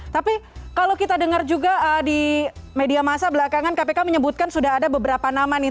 tapi kalau kita dengar juga di media masa belakangan kpk menyebutkan sudah ada beberapa nama nih